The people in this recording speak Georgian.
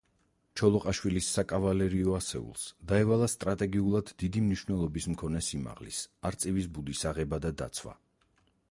ჩოლოყაშვილის საკავალერიო ასეულს დაევალა სტრატეგიულად დიდი მნიშვნელობის მქონე სიმაღლის, „არწივის ბუდის“ აღება და დაცვა.